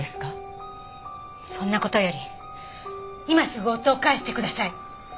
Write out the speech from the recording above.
そんな事より今すぐ夫を返してください。